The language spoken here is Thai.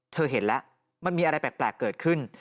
เห็นแล้วมันมีอะไรแปลกเกิดขึ้น